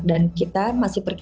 dan kita masih peningkat